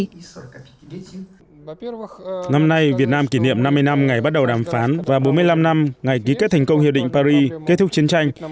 năm nay việt nam kỷ niệm năm mươi năm ngày bắt đầu đàm phán và bốn mươi năm năm ngày ký kết thành công hiệp định paris kết thúc chiến tranh